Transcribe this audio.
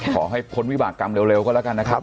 พ้นวิบากรรมเร็วก็แล้วกันนะครับ